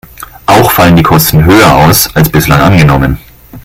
Auch fallen die Kosten höher aus, als bislang angenommen.